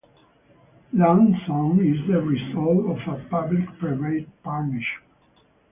Loongson is the result of a public-private partnership.